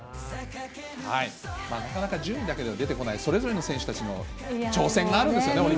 なかなか順位だけでは出てこない、それぞれの選手たちの挑戦があるんですよね。